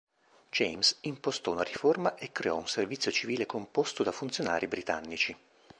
James impostò una riforma e creò un servizio civile composto da funzionari britannici.